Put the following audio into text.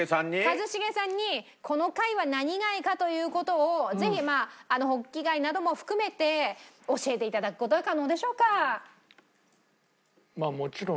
一茂さんにこの貝は何貝か？という事をぜひホッキ貝なども含めて教えて頂く事は可能でしょうか？